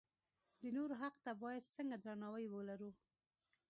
د نورو حق ته باید څنګه درناوی ولرو.